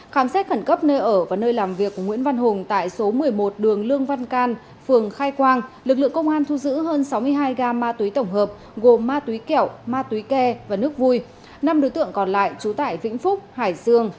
khám xét khẩn cấp nơi ở và nơi làm việc của nguyễn văn hùng tại số một mươi một đường lương văn can phường khai quang lực lượng công an thu giữ hơn sáu mươi hai gam ma túy tổng hợp gồm ma túy kẹo ma túy ke và nước vui